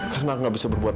karena aku gak bisa berbuat